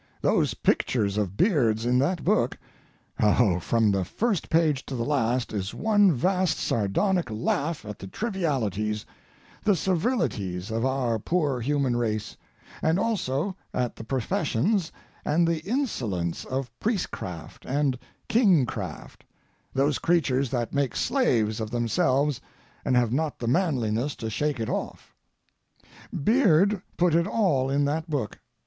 Those pictures of Beard's in that book—oh, from the first page to the last is one vast sardonic laugh at the trivialities, the servilities of our poor human race, and also at the professions and the insolence of priest craft and king craft—those creatures that make slaves of themselves and have not the manliness to shake it off. Beard put it all in that book.